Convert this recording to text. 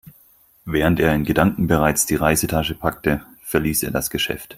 Während er in Gedanken bereits die Reisetasche packte, verließ er das Geschäft.